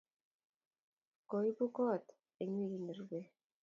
Koibut kot eng wikit ne rubei